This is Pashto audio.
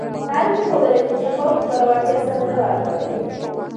تاریخ وښودله چې چیخوف خپله وړتیا سمه نه وه ارزولې.